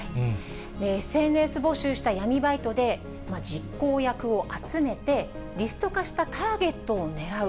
ＳＮＳ募集した闇バイトで実行役を集めて、リスト化したターゲットを狙う。